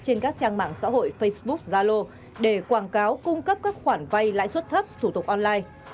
trên các trang mạng xã hội facebook zalo để quảng cáo cung cấp các khoản vay lãi suất thấp thủ tục online